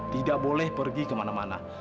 tidak boleh pergi ke mana mana